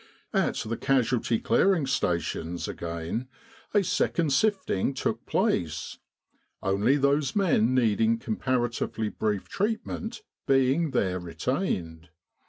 At the Casualty Clearing Stations again, a second sifting took place, only those men needing compara tively brief treatment being there retained.